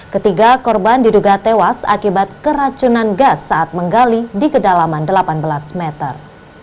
ketiga korban diduga tewas akibat keracunan gas saat menggali di kedalaman delapan belas meter